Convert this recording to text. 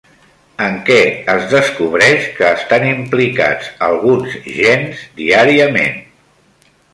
En què es descobreix que estan implicats alguns gens diàriament?